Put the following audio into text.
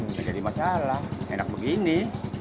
nggak jadi masalah enak begini